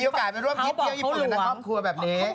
โอกาสไปร่วมคิดเที่ยวญี่ปุ่นในครอบครัวแบบนี้